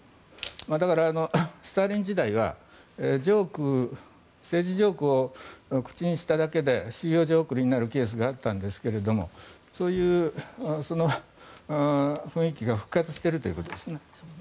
だから、スターリン時代は政治ジョークを口にしただけで収容所送りになるケースがあったんですがそういう雰囲気が復活しているということですね。